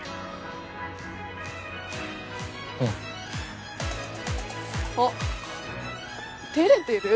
うん。あっ照れてる？